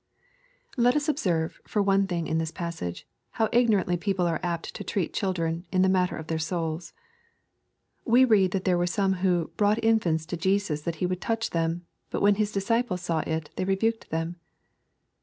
Let us observe, for one thing, in this passage, how igno rantly people are apt to treat children, in thematter of their souls. We read that there were some who " brought infants to Jesus that He would touch them : but when His disciples saw it, they rebukedthem."